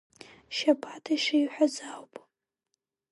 Шьабаҭ ишиҳәаз ауп.